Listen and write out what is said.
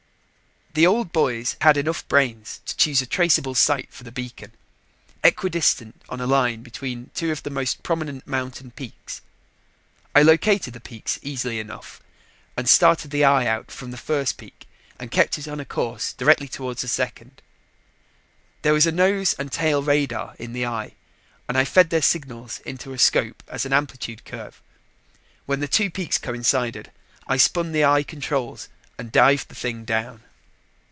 The old boys had enough brains to choose a traceable site for the beacon, equidistant on a line between two of the most prominent mountain peaks. I located the peaks easily enough and started the eye out from the first peak and kept it on a course directly toward the second. There was a nose and tail radar in the eye and I fed their signals into a scope as an amplitude curve. When the two peaks coincided, I spun the eye controls and dived the thing down.